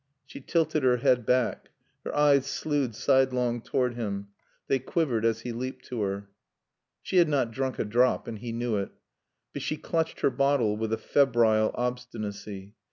She tilted her head back. Her eyes slewed sidelong toward him. They quivered as he leaped to her. She had not drunk a drop and he knew it, but she clutched her bottle with a febrile obstinacy.